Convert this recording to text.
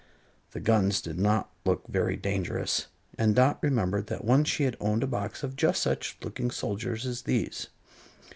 The guns did not look very dangerous, and Dot remembered that once she had owned a box of just such looking soldiers as these.